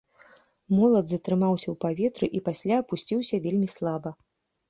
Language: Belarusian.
Молат затрымаўся ў паветры і пасля апусціўся вельмі слаба.